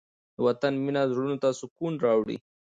د وطن مینه زړونو ته سکون راوړي.